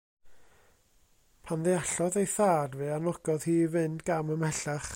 Pan ddeallodd ei thad, fe anogodd hi i fynd gam ymhellach.